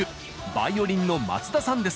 バイオリンの松田さんです。